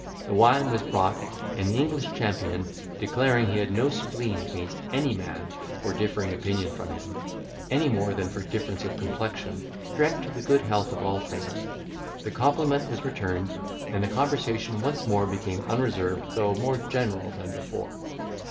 The wine was brought, and the English champion, declaring he had no spleen against any man for differing in opinion from him, any more than for difference of complexion, drank to the good health of all present; the compliment was returned, and the conversation once more became unreserved though more general than before.